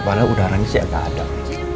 padahal udaranya sih agak ada